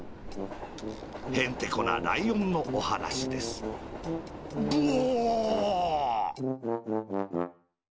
へんてこなライオンのおはなしですブオ！